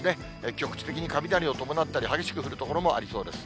局地的に雷を伴ったり、激しく降る所もありそうです。